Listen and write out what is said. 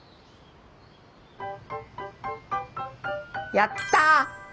やったぁ！